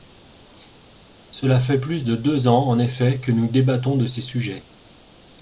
Cela fait plus de deux ans, en effet, que nous débattons de ces sujets.